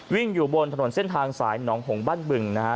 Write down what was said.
อยู่บนถนนเส้นทางสายหนองหงบ้านบึงนะฮะ